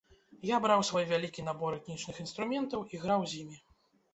Я браў свой вялікі набор этнічных інструментаў і граў з імі.